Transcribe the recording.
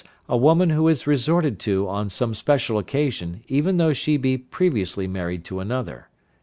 a woman who is resorted to on some special occasion even though she be previously married to another.